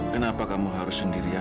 kenapa kamu harus sendirian